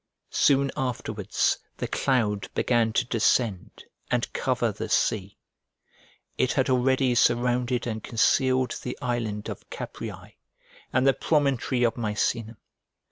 Soon afterwards, the cloud began to descend, and cover the sea. It had already surrounded and concealed the island of Capreae and the promontory of Misenum.